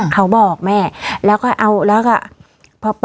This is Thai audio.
เขาบอกแม่แล้วก็เอาแล้วก็พอไป